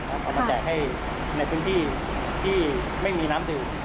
เอามาแจกให้ในพื้นที่ที่ไม่มีน้ำดื่ม